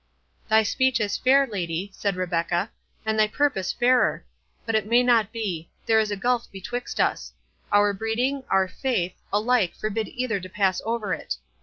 "Thy speech is fair, lady," said Rebecca, "and thy purpose fairer; but it may not be—there is a gulf betwixt us. Our breeding, our faith, alike forbid either to pass over it.